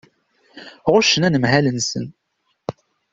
Ɣuccen anemhal-nsen.